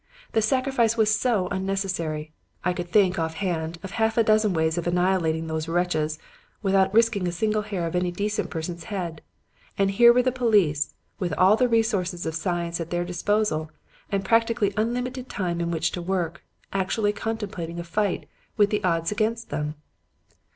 The sacrifice was so unnecessary. I could think, offhand, of half a dozen ways of annihilating these wretches without risking a single hair of any decent person's head. And here were the police, with all the resources of science at their disposal and practically unlimited time in which to work, actually contemplating a fight with all the odds against them!